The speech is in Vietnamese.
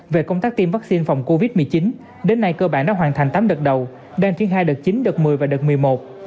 về công tác tiêm vaccine phòng covid một mươi chín đến nay cơ bản đã hoàn thành tám đợt đầu đang triển khai đợt chín đợt một mươi và đợt một mươi một